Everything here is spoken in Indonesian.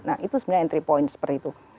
nah itu sebenarnya entry point seperti itu